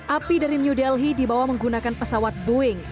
api dari new delhi dibawa menggunakan pesawat boeing